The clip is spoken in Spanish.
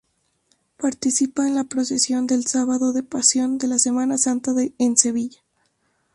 Participa en la procesión del Sábado de Pasión de la Semana Santa en Sevilla.